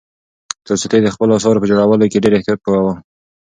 تولستوی د خپلو اثارو په جوړولو کې ډېر احتیاط کاوه.